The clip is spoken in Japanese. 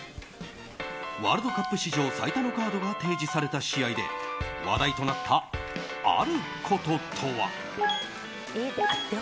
ワールドカップ史上最多のカードが提示された試合で話題となった、あることとは。